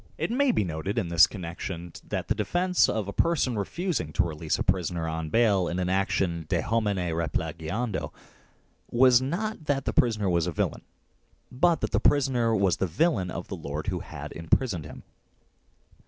It may be noticed in this connection that the defence of a person refusing to release a prisoner on bail in an action " de homine replegiando " was not that the prisoner was a villain, but that the prisoner was the villain of the lord who had imprisoned him.